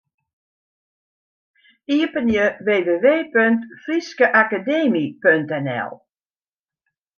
Iepenje www.fryskeakademy.nl.